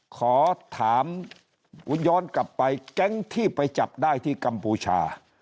ขอถามย้อนกลับไปแก๊งที่ไปจับได้ที่กัมพูชา